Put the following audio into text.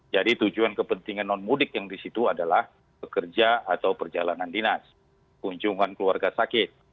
jadi tujuan kepentingan non mudik yang di situ adalah pekerja atau perjalanan dinas kunjungan keluarga sakit